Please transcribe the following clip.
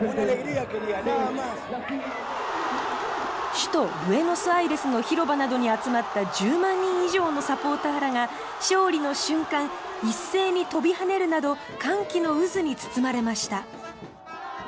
首都ブエノスアイレスの広場などに集まった１０万人以上のサポーターらが勝利の瞬間一斉に跳びはねるなど歓喜の渦に包まれました。